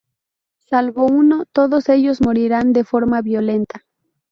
Salvo uno, todos ellos morirán de forma violenta.